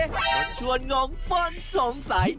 ชักชวนงงป้นสงสัย